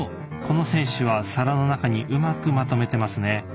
この選手は皿の中にうまくまとめてますね。